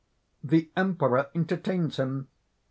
_ _The Emperor entertains him.